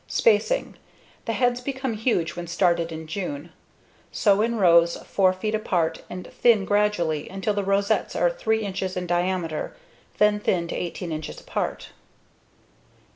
Spacing: The heads become huge when started in June. Sow in rows 4 feet apart and thin gradually until the rosettes are 3 inches in diameter, then thin to 18 inches apart.